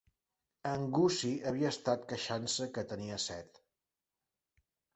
En Gussie havia estat queixant-se que tenia set.